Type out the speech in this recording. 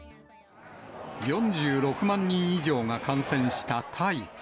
４６万人以上が感染したタイ。